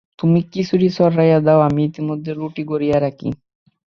তুমি খিচুড়ি চড়াইয়া দাও, আমি ইতিমধ্যে রুটি গড়িয়া রাখি।